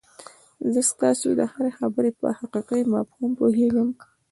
زه ستاسو د هرې خبرې په حقيقي مفهوم پوهېږم.